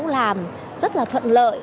làm rất là thuận lợi